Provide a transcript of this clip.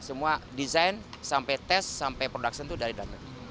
semua design sampai test sampai production itu dari dalam negeri